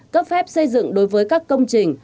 cấp phép xây dựng đối với các công trình